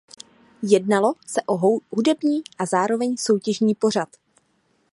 Jednalo se o hudební a zároveň soutěžní pořad.